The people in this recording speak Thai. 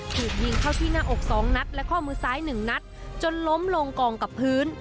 ถูกยิงเข้าที่หน้าอกสองนัดและข้อมือซ้าย๑นัดจนล้มลงกองกับพื้น